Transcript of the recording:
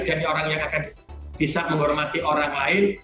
orang yang akan bisa menghormati orang lain